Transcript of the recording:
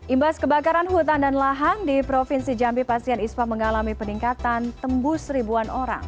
imbas kebakaran hutan dan lahan di provinsi jambi pasien ispa mengalami peningkatan tembus ribuan orang